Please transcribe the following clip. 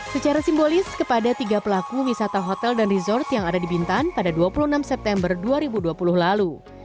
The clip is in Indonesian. secara simbolis kepada tiga pelaku wisata hotel dan resort yang ada di bintan pada dua puluh enam september dua ribu dua puluh lalu